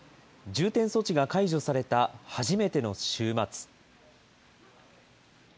重点措置が解除された初めての週末。